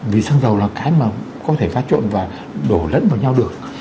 vì xăng dầu là cái mà có thể pha trộn và đổ lẫn vào nhau được